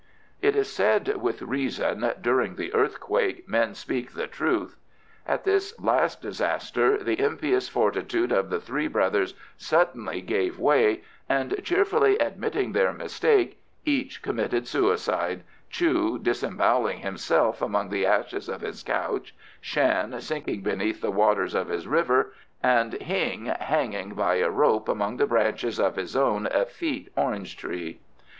It is said with reason, "During the earthquake men speak the truth." At this last disaster the impious fortitude of the three brothers suddenly gave way, and cheerfully admitting their mistake, each committed suicide, Chu disembowelling himself among the ashes of his couch, Shan sinking beneath the waters of his river, and Hing hanging by a rope among the branches of his own effete orange tree.